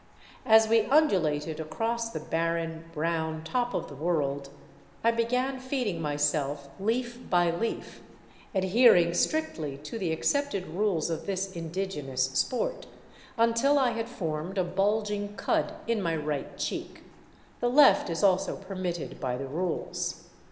As we undulated across the barren, brown top of the world, I began feeding myself leaf by leaf, adhering strictly to the accepted rules of this indigenous sport, until I had formed a bulging cud in my right cheek — the left is also per mitted by the rules.